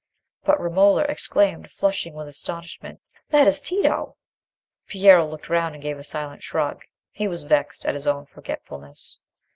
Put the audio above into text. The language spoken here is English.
But Romola exclaimed, flushing with astonishment— "That is Tito!" Piero looked round, and gave a silent shrug. He was vexed at his own forgetfulness.